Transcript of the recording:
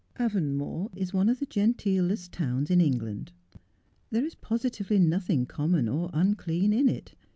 Avonmore is one of the genteelest towns in England. There is positively nothing common or unclean in it.